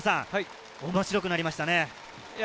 面白くなりましたね。